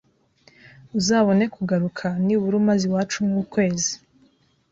uzabone kugaruka, nibura umaze iwacu nk’ukwezi,